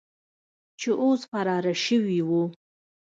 چې اوس فراره سوي وو.